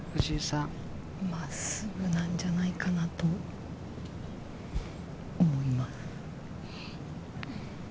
真っすぐなんじゃないかなと思います。